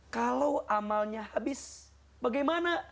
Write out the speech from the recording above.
kalau amalnya habis bagaimana